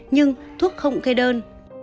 nhưng thuốc không gây đơn